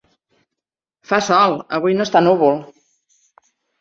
Fa sol: avui no està núvol.